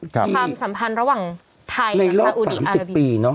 ค่ะความสัมพันธ์ระหว่างไทยเล่นข้าวอุฏิอาราบีเนอะ